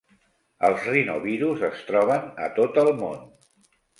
Els rinovirus es troben a tot el món.